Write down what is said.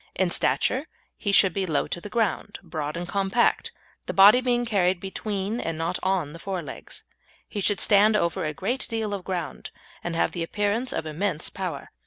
In stature he should be low to the ground, broad and compact, the body being carried between and not on the fore legs. He should stand over a great deal of ground, and have the appearance of immense power.